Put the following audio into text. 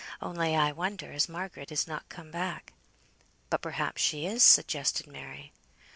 Only I wonder as Margaret is not come back." "But perhaps she is," suggested Mary.